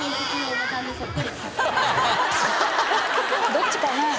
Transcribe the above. どっちかな？